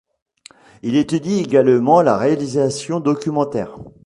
Il étudie également la réalisation documentaire.